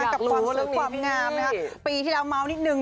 กับความสุขความงามนะฮะปีที่แล้วเม้านิดหนึ่ง